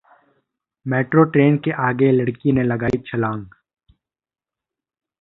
metro train के आगे लड़की ने लगाई छलांग